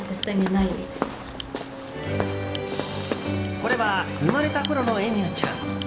これは生まれたころのエミューちゃん。